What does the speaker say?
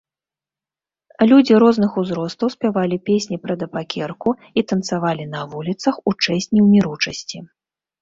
Людзі розных узростаў спявалі песні пра табакерку і танцавалі на вуліцах у чэсць неўміручасці.